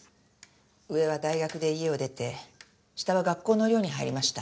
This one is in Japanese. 上は大学で家を出て下は学校の寮に入りました。